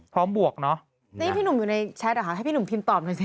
บวกเนอะนี่พี่หนุ่มอยู่ในแชทเหรอคะให้พี่หนุ่มพิมพ์ตอบหน่อยสิ